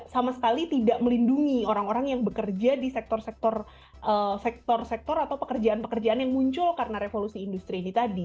sama sekali tidak melindungi orang orang yang bekerja di sektor sektor atau pekerjaan pekerjaan yang muncul karena revolusi industri ini tadi